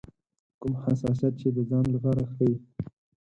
کوم حساسیت چې د ځان لپاره ښيي.